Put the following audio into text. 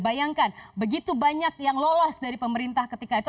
bayangkan begitu banyak yang lolos dari pemerintah ketika itu